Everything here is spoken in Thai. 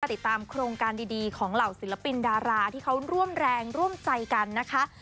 ติดตามโครงการดีของเหล่าศิลปินดาราที่เขาร่วมแรงร่วมใจกันนะคะ